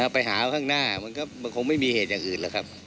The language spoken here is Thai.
ไปหาข้างหน้ามันคงไม่มีเหตุอย่างอื่น